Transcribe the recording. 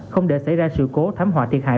không để xảy ra sự cố thám hòa thiệt hại